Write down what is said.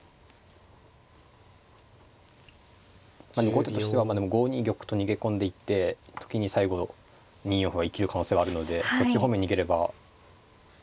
後手としてはまあでも５二玉と逃げ込んでいって最後２四歩が生きる可能性はあるのでそっち方面に逃げれば。